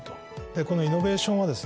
このイノベーションはですね